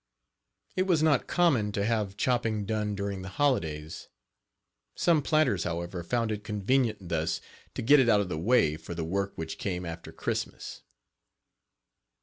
It was not common to have chopping done during the holidays; some planters, however, found it convenient thus to get it out of the way for the work which came after Christmas.